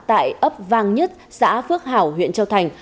tại ấp vang nhất xã phước hảo huyện châu thành